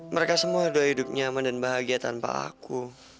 mereka semua sudah hidup nyaman dan bahagia tanpa aku